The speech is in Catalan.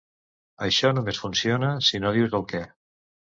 Això només funciona si no dius el què.